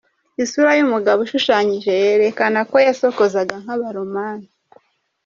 Isura y’umugabo ishushanyije yerekana ko yasokozaga nk’abaromani.